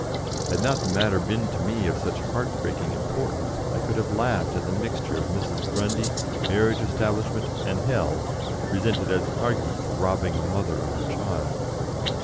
Had not the matter been to me of such heart breaking importance, I could have laughed at the mixture of Mrs. Grundy, marriage establishment, and hell, presented as an argument for robbing a mother of her child.